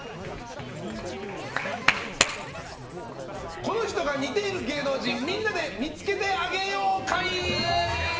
この人が似ている芸能人みんなで見つけてあげよう会！